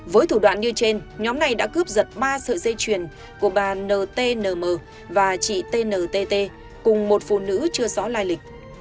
với thủ đoạn như trên nhóm này đã cướp giật ba sợi dây chuyền của bà ntnm và chị tntt cùng một phụ nữ chưa rõ lai lịch